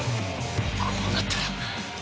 こうなったら。